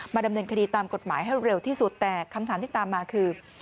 ดำเนินคดีตามกฎหมายให้เร็วที่สุดแต่คำถามที่ตามมาคือ